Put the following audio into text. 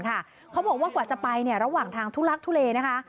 เขาบอกว่ากว่าจะไประหว่างทางทุลักทุเลนะคะ